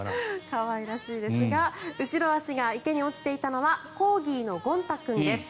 可愛らしいですが後ろ足が池に落ちていたのはコーギーのゴン太君です。